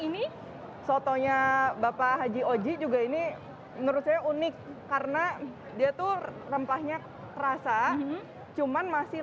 ini sotonya bapak haji oji juga ini menurut saya unik karena dia tuh rempahnya rasa cuman masih